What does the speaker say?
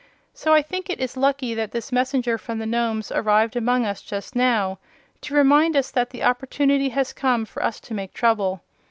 So I think it is lucky that this messenger from the Nomes arrived among us just now, to remind us that the opportunity has come for us to make trouble.